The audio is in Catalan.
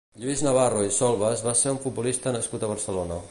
Lluís Navarro i Solves va ser un futbolista nascut a Barcelona.